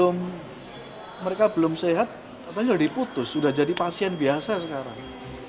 belum mereka belum sehat katanya sudah diputus sudah jadi pasien biasa sekarang